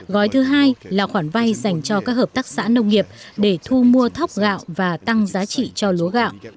gói thứ hai là khoản vay dành cho các hợp tác xã nông nghiệp để thu mua thóc gạo và tăng giá trị cho lúa gạo